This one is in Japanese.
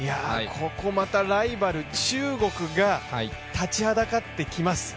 ここまたライバル、中国が立ちはだかってきます。